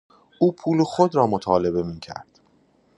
او پول خود را مطالبه میکرد.